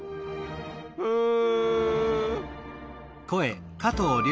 うん。